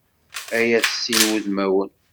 Ay at sin wudmawen!